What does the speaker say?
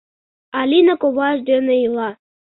Алина коваж дене ила.